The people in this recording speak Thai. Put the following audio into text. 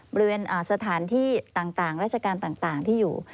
บริเวณสถานที่ต่างราชการต่างที่อยู่